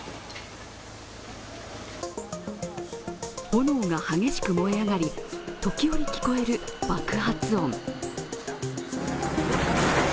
炎が激しく燃え上がり、時折聞こえる爆発音。